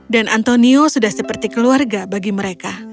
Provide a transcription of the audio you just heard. dan antonio sudah seperti keluarga bagi mereka